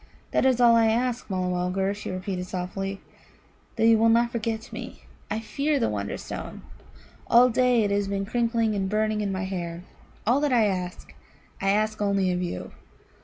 "That is all I ask, Mulla mulgar," she repeated softly "that you will not forget me. I fear the Wonderstone. All day it has been crickling and burning in my hair. All that I ask, I ask only of you."